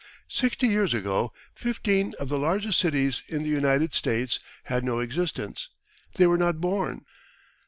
Sixty years ago, fifteen of the largest cities in the United States had no existence. They were not born.